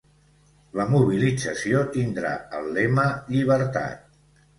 La mobilització tindrà el lema Llibertat.